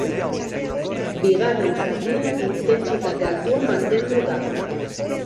Bigarren zatian intentsitate altua mantendu da.